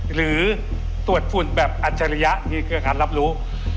หรือตรวจฝุ่นแบบอัจฉริยะที่เครือขันรับรู้